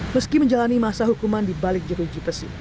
meski menjalani masa hukuman di balik juruji pesi